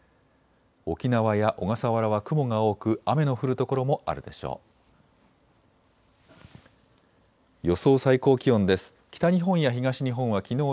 沖縄や小笠原は雲が多く雨の降る所もあるでしょう。